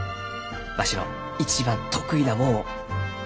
わしの一番得意なもんをつぎ込む！